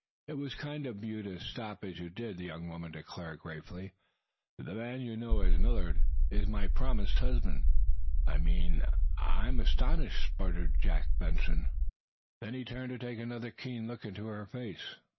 "It was kind of you to stop as you did," the young woman declared, gratefully. "The man whom you know as Millard is my promised husband." "I'm sor I mean, I'm astonished," sputtered Jack Benson. Then he turned to take another keen look into her face.